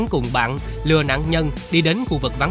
của dư luận